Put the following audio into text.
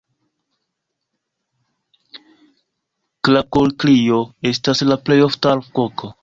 Klakokrio estas la plej ofta alvoko.